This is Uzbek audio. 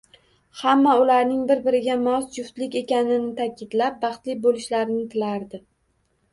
Hamma ularning bir-biriga mos juftlik ekanini ta`kidlab, baxtli bo`lishlarini tilardi